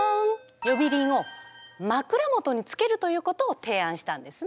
呼び鈴をまくら元につけるということを提案したんですね。